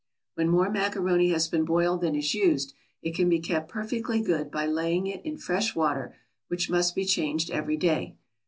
When more macaroni has been boiled than is used, it can be kept perfectly good by laying it in fresh water, which must be changed every day.